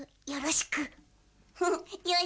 よ、よろしく。